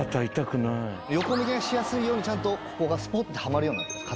横向きがしやすいようにちゃんとここがスポッてハマるようになってます